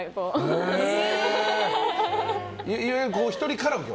へえ。